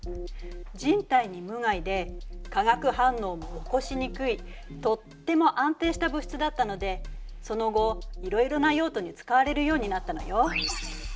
人体に無害で化学反応も起こしにくいとっても安定した物質だったのでその後いろいろな用途に使われるようになったのよ。